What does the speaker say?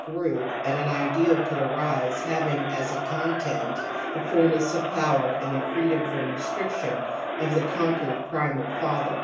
.«<.'•'" and an ideal could arise having as a content the fullness of power and the freedom from restriction of the conquered primal father, as «' See above, p.